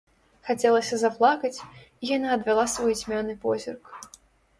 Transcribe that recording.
Хацелася заплакаць, і яна адвяла свой цьмяны позірк.